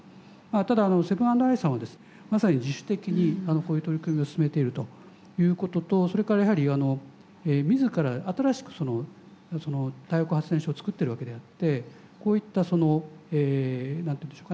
ただセブン＆アイさんはまさに自主的にこういう取り組みを進めているということとそれからやはり自ら新しく太陽光発電所を作ってるわけであってこういったその何て言うんでしょうかね